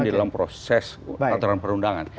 dalam proses aturan perundangan